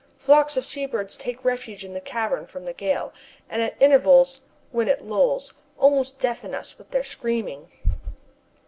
Flocks of seabirds take refuge in the cavern from the gale, and at intervals, when it lulls, almost deafen us with their screaming.